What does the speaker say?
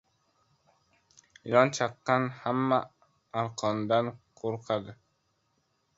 • Ilon chaqqan hamma arqondan qo‘rqadi.